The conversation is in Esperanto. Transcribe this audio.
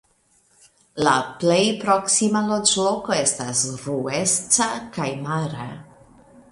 La plej proksimaj loĝlokoj estas Ruesca kaj Mara.